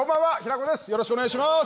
よろしくお願いします！